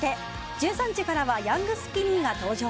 １３時からはヤングスキニーが登場。